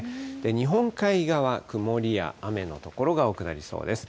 日本海側、曇りや雨の所が多くなりそうです。